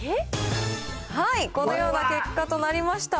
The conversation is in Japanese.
はい、このような結果となりました。